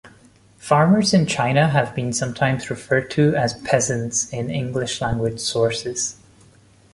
Farmers in China have been sometimes referred to as "peasants" in English-language sources.